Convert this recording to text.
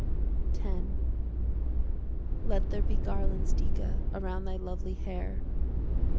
X Let there be garlands, Dica, Around thy lovely hair.